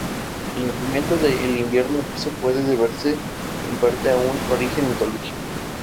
El argumento del invierno ruso puede deberse en parte a un origen mitológico.